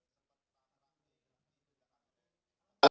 sosialisasi tempol kemarin